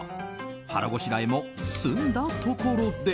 腹ごしらえも済んだところで。